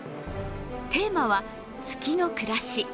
テーマは月のくらし。